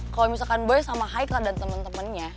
kalo misalkan boy sama haika dan temen temennya